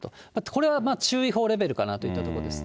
これが注意報レベルかなといったところです。